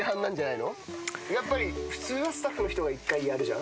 やっぱり普通はスタッフの人が一回やるじゃん。